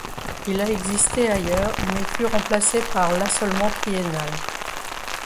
Il a existé ailleurs, mais fut remplacé par l'assolement triennal.